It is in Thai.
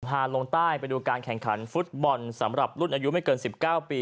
ลงใต้ไปดูการแข่งขันฟุตบอลสำหรับรุ่นอายุไม่เกิน๑๙ปี